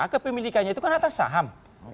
kepemilikannya itu kan atas saham